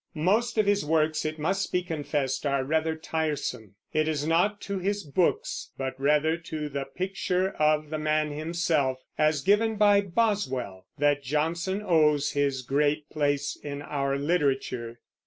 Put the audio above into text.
Most of his works, it must be confessed, are rather tiresome. It is not to his books, but rather to the picture of the man himself, as given by Boswell, that Johnson owes his great place in our literature.